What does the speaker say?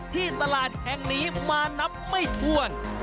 ที่ตลาดแห่งนี้มานับไม่ถ้วน